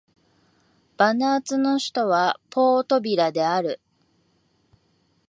バヌアツの首都はポートビラである